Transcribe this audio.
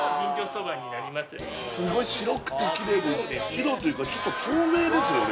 スゴイ白くてキレイで白というかちょっと透明ですよね